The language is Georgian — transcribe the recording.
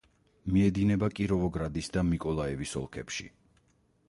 მიედინება კიროვოგრადის და მიკოლაევის ოლქებში.